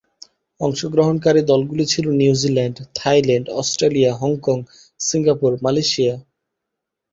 অংশগ্রহণকারী দলগুলি ছিল New Zealand, Thailand, Australia, Hong Kong, Singapore, Malaysia.